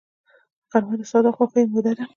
غرمه د ساده خوښیو موده ده